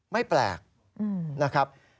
ไม่แปลกนะครับ